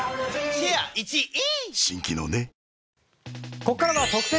ここからは特選！！